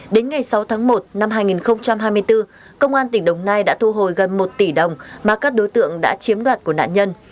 đến ngày sáu tháng một năm hai nghìn hai mươi bốn công an tỉnh đồng nai đã thu hồi gần một tỷ đồng mà các đối tượng đã chiếm đoạt của nạn nhân